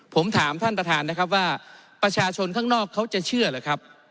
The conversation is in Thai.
ผมถามท่านประธานนะครับว่าประชาชนข้างนอกเขาจะเชื่อหรือครับ